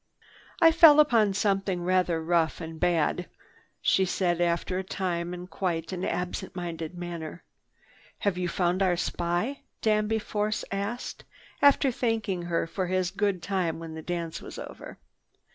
"I fell upon something rather rough and bad," she said after a time in quite an absent minded manner. "Have you found our spy?" Danby Force asked, after thanking her for his good time when the dance was over.